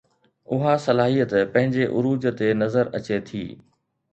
اها صلاحيت پنهنجي عروج تي نظر اچي ٿي